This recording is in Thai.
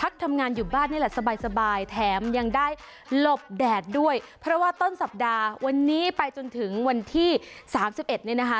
พักทำงานอยู่บ้านนี่แหละสบายสบายแถมยังได้หลบแดดด้วยเพราะว่าต้นสัปดาห์วันนี้ไปจนถึงวันที่สามสิบเอ็ดเนี่ยนะคะ